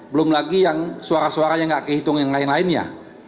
belum lagi yang suara suara yang nggak kehitung yang lain lainnya